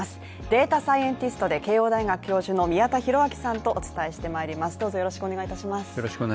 データサイエンティストで慶応大学教授の宮田裕章さんとお伝えしてまいります。